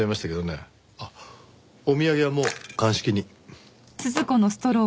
あっお土産はもう鑑識に。